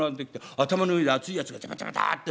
頭の上で熱いやつがジャバジャバダッと。